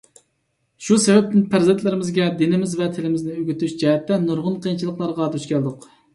شۇ سەۋەبتىن پەرزەنتلىرىمىزگە دىنىمىز ۋە تىلىمىزنى ئۆگىتىش جەھەتتە نۇرغۇن قىيىنچىلىقلارغا دۇچ كەلدۇق.